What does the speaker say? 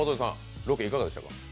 ロケはいかがでしたか？